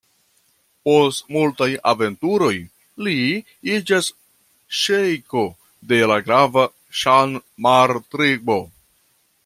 Post multaj aventuroj li iĝas ŝejko de la grava Ŝammar-tribo.